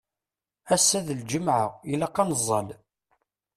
Ass-a d lǧemɛa, ilaq ad neẓẓal.